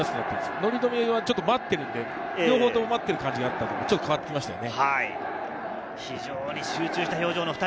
乗冨はちょっと待っていたので、両方とも待っている感じがありましたが、ちょっと変わってきましたよね。